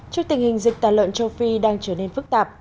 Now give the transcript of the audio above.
trước tình hình dịch tà lợn châu phi đang trở nên phức tạp